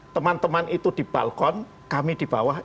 teman teman itu di balkon kami di bawah